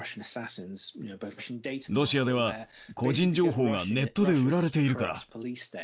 ロシアでは個人情報がネットで売られているから。